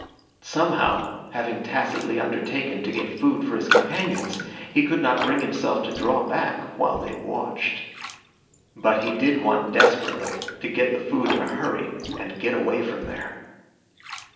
Somehow, having tacitly undertaken to get food for his companions, he could not bring himself to draw back while they watched. But he did want desperately to get the food in a hurry and get away from there.